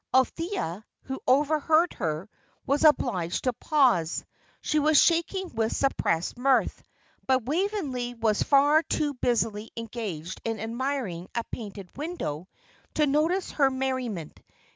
Althea, who overheard her, was obliged to pause; she was shaking with suppressed mirth; but Waveney was far too busily engaged in admiring a painted window to notice her merriment.